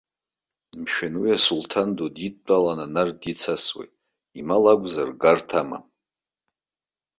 Мшәан, уи асулҭан ду дидтәаланы анард дицасуеит, имал акәзар, гарҭа амам!